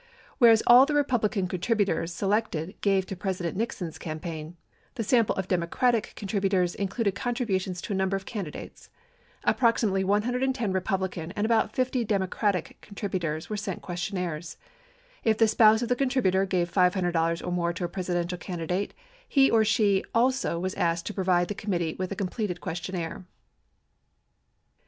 Whereas all the Republi can contributors selected gave to President Nixon's campaign, the sample of Democratic contributors included contributions to a number of candidates. Approximately 110 Republican and about 50 Democratic contributors were sent questionnaires. If the spouse of the contributor gave $500 or more to a Presidential candidate, he or she also was asked to provide the committee with a completed questionnaire.